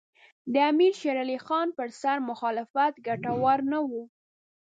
د امیر شېر علي خان پر سر مخالفت ګټور نه وو.